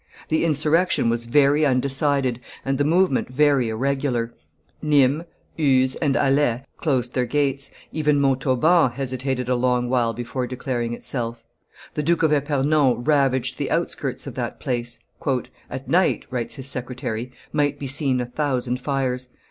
The insurrection was very undecided, and the movement very irregular. Nimes, Uzes, and Alais closed their gates; even Montauban hesitated a long while before declaring itself. The Duke of Epernon ravaged the outskirts of that place. "At night," writes his secretary, "might be seen a thousand fires.